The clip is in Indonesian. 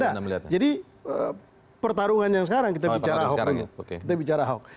nah jadi pertarungan yang sekarang kita bicara ahok